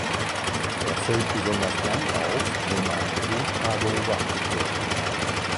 Er fällt besonders dann auf, wenn ein Brutpaar beobachtet werden kann.